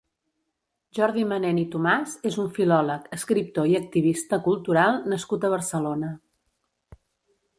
Jordi Manent i Tomàs és un filòleg, escriptor i activista cultural nascut a Barcelona.